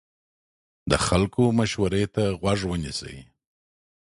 د خلکو مشورې ته غوږ ونیسئ.